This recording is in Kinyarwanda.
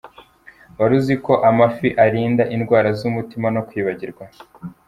Wari uzi ko amafi arinda indwara z’umutima no kwibagirwa